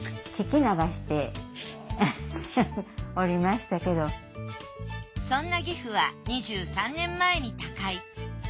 しかしそんな義父は２３年前に他界。